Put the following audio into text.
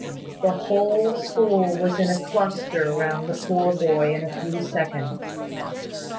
The whole school was in a cluster round the poor boy in a few seconds.